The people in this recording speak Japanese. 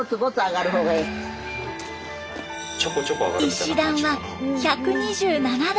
石段は１２７段。